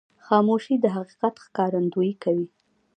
خاموشي، د حقیقت ښکارندویي کوي.